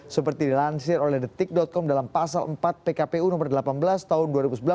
seperti dilansir oleh detik com dalam pasal empat pkpu nomor delapan belas tahun dua ribu sebelas